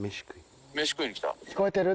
「聞こえてる？」